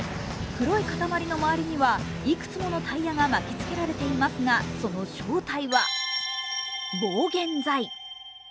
周りにはいくつものタイヤが巻き付けられていますがその正体は防舷材。